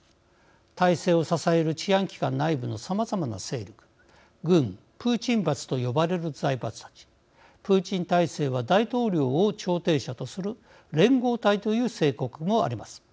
体制を支える治安機関内部のさまざまな勢力軍プーチン閥と呼ばれる財閥たちプーチン体制は大統領を調停者とする連合体という性格もあります。